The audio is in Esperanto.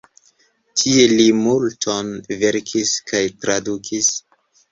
Tie li multon verkis kaj tradukis.